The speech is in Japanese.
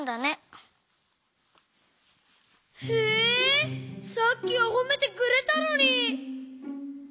こころのこええさっきはほめてくれたのに。